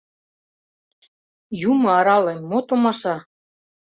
— Юмо арале, мо томаша?